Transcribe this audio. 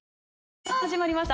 さぁ始まりました